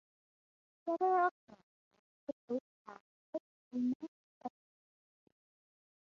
Several characters in the book are said to be members of the Knights.